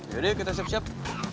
yaudah kita siap siap